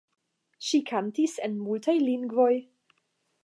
Ŝi kantis en multaj lingvoj.